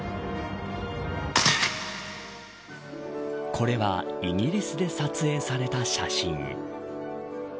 これはイギリスで撮影された写真。